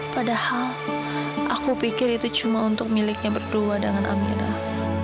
padahal aku pikir itu cuma untuk miliknya berdua dengan aminah